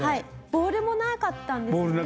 ボールなかったですね。